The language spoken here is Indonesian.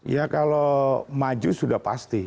ya kalau maju sudah pasti